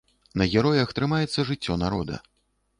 На героях трымаецца жыццё народа.